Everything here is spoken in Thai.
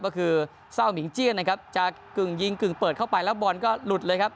ก็คือเศร้ามิงเจียนนะครับจากกึ่งยิงกึ่งเปิดเข้าไปแล้วบอลก็หลุดเลยครับ